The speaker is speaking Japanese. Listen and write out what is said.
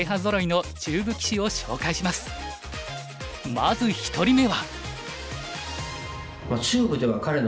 まず１人目は。